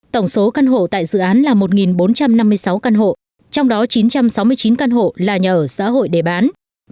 tổng số căn hộ tại dự án là một bốn trăm năm mươi sáu căn hộ trong đó chín trăm sáu mươi chín căn hộ là nhà ở xã hội để bán